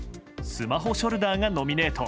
スマホショルダーがノミネート。